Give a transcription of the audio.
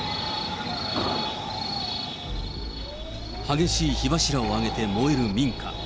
激しい火柱を上げて燃える民家。